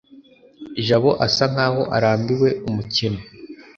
jabo asa nkaho arambiwe umukino